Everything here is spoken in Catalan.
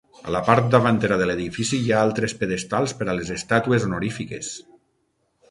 A la part davantera de l'edifici hi ha altres pedestals per a les estàtues honorífiques.